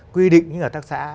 quy định những hợp tác xã